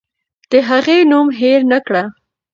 د هغې نوم هېر نکړه.